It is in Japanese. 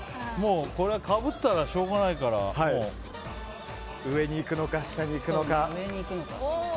これは、かぶったらしょうがないから。上に行くのか下に行くのか。